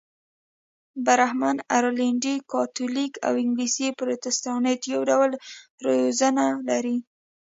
برهمن، ارلنډي کاتولیک او انګلیسي پروتستانت یو ډول روزنه لري.